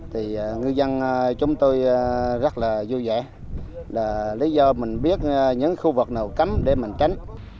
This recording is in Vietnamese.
thì ngư dân